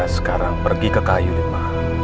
sekarang pergi ke kayu lima